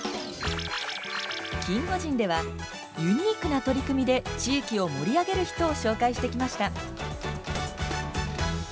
キンゴジンではユニークな取り組みで地域を盛り上げる人を紹介してきました。